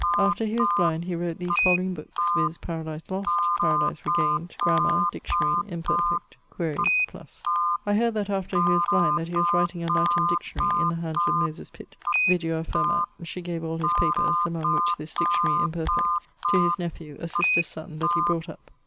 _> After he was blind he wrote these following bookes, viz. Paradise Lost, Paradise Regained, Grammar, Dictionarie (imperfect) quaere +. I heard that after he was blind that he was writing a Latin Dictionary (in the hands of Moyses Pitt). Vidua affirmat she gave all his papers (among which this dictionary, imperfect) to his nephew, a sister's son, that he brought up